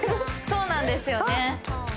そうなんですよね